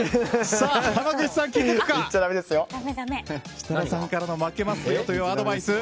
設楽さんからの負けますよのアドバイス。